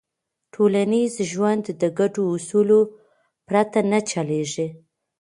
ټولنیز ژوند د ګډو اصولو پرته نه چلېږي.